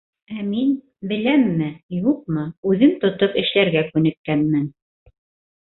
Ә мин, беләмме, юҡмы, үҙем тотоп эшләргә күнеккәнмен.